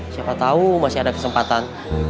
siapa tahu masih ada kesempatan